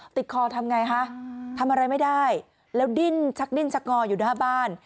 คอทำไงคะทำอะไรไม่ได้แล้วดิ้นชักดิ้นชักงออยู่หน้าบ้าน